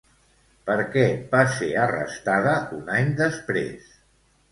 Per què va ser arrestada un any després?